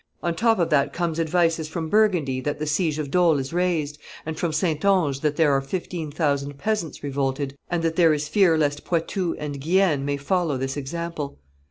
On top of that come advices from Burgundy that the siege of Dole is raised, and from Saintonge that there are fifteen thousand peasants revolted, and that there is fear lest Poitou and Guienne may follow this example.